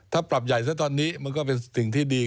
ถ้าปรับใหญ่ซะตอนนี้มันก็เป็นสิ่งที่ดี